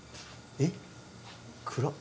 えっ暗っ。